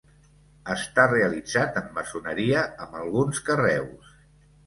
Està realitzat en maçoneria amb alguns carreus.